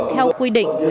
theo quy định của huyện